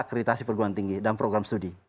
akreditasi perguruan tinggi dan program studi